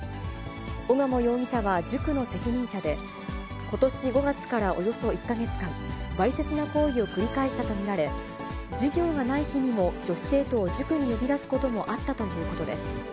小鴨容疑者は塾の責任者で、ことし５月からおよそ１か月間、わいせつな行為を繰り返したと見られ、授業がない日にも女子生徒を塾に呼び出すこともあったということです。